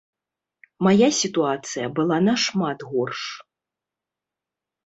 Мая сітуацыя была нашмат горш.